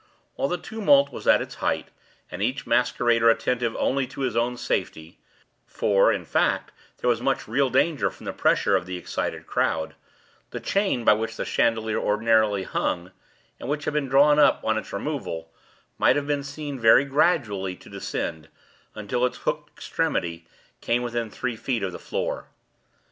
While the tumult was at its height, and each masquerader attentive only to his own safety (for, in fact, there was much real danger from the pressure of the excited crowd), the chain by which the chandelier ordinarily hung, and which had been drawn up on its removal, might have been seen very gradually to descend, until its hooked extremity came within three feet of the floor.